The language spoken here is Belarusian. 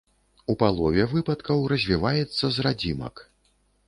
У палове выпадкаў развіваецца з радзімак.